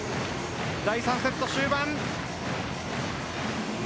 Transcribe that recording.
第３セット終盤。